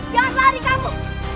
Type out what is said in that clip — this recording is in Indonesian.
jangan lari kamu